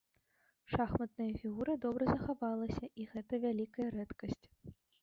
Шахматная фігура добра захавалася, і гэта вялікая рэдкасць.